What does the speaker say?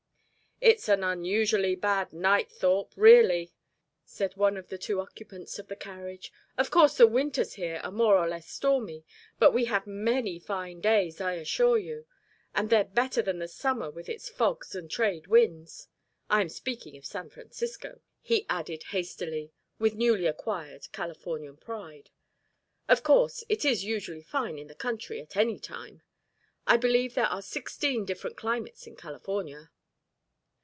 "It's an unusually bad night, Thorpe, really," said one of the two occupants of the carriage. "Of course the winters here are more or less stormy, but we have many fine days, I assure you; and they're better than the summer with its fogs and trade winds I am speaking of San Francisco," he added hastily, with newly acquired Californian pride. "Of course it is usually fine in the country at any time. I believe there are sixteen different climates in California."